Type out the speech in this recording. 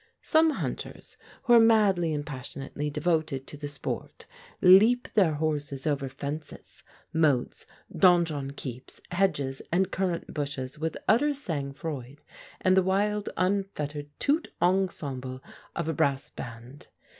Some hunters, who are madly and passionately devoted to the sport, leap their horses over fences, moats, donjon keeps, hedges and currant bushes with utter sang froid and the wild, unfettered toot ongsomble of a brass band.